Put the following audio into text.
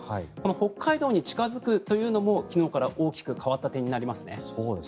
北海道に近付くというのも昨日から大きく変わった点になりますね。